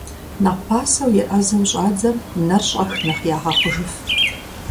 Нэхъ пасэу еӀэзэу щӀадзэм, нэхъ щӀэх нэр ягъэхъужыф.